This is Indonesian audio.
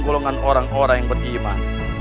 golongan orang orang yang beriman